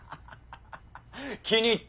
気に入った。